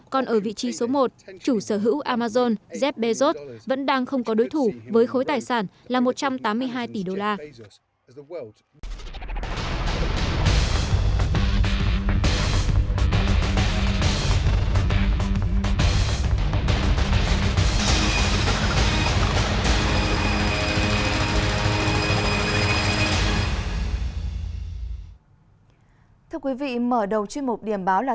còn ở vị trí số một chủ sở hữu amazon jeff bezos vẫn đang không có đối thủ với khối tài sản là một trăm tám mươi hai tỷ đô la